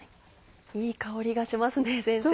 いい香りがしますね先生。